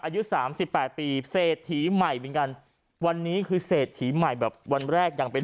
อายุสามสิบแปดปีเศรษฐีใหม่เหมือนกันวันนี้คือเศรษฐีใหม่แบบวันแรกยังเป็น